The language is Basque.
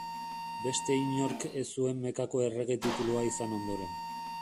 Beste inork ez zuen Mekako errege titulua izan ondoren.